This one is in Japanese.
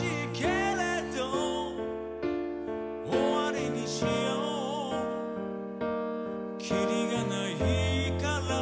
「終わりにしようきりがないから」